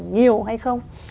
nhiều hay không